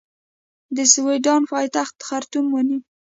د سوډان پایتخت خرطوم ونیو.